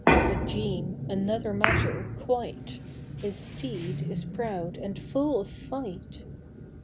But Jean—another matter, quite! His steed is proud and full of fight.